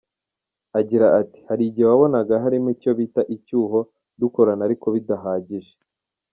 Agira ati “Hari igihe wabonaga harimo icyo bita icyuho, dukorana ariko bidahagije.